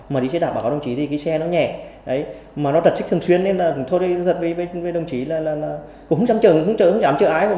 mà đi xe đạp báo cáo đồng chí thì xe nó nhẹ mà nó trật xích thường xuyên nên là thôi xin thật với đồng chí là cũng dám chờ